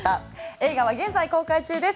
映画は現在公開中です。